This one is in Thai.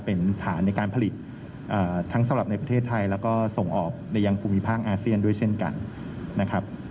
เป็นฐานในการผลิตทั้งสำหรับในประเทศไทยแล้วก็ส่งออกไปยังภูมิภาคอาเซียนด้วยเช่นกันนะครับ